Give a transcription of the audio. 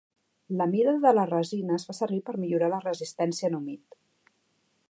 La mida de la resina es fa servir per millorar la resistència en humit.